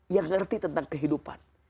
yang ngerti tentang kehidupan